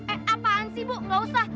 eh apaan sih bu gausah